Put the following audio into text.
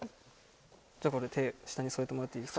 じゃあこれ手下に添えてもらっていいですか？